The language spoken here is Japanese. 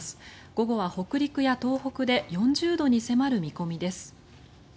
午後は北陸や東北で４０度に迫る見込みです。